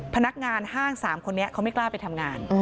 พนักงานห้าง๓คนนี้เขาไม่กล้าไปทำงาน